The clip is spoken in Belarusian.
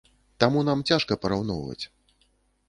Таму нам цяжка параўноўваць.